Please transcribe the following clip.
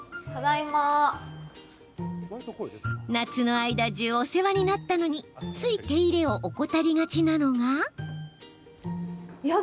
夏の間中お世話になったのについ手入れを怠りがちなのが。